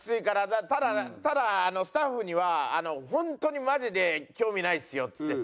ただただスタッフには「本当にマジで興味ないですよ」っつって。